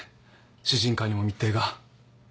獅靭会にも密偵が。